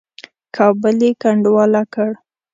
کابل یې کنډواله کړ.